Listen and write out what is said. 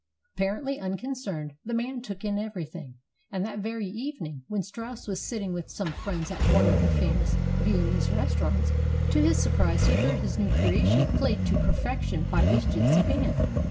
Apparently unconcerned, the man took in everything, and that very evening, when Strauss was sitting with some friends at one of the famous Viennese restau rants, to his surprise he heard his new creation played to perfection by this gypsy band.